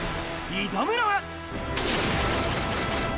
挑むのは。